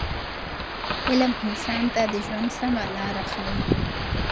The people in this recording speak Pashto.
علم انسان ته د ژوند سمه لاره ښیي.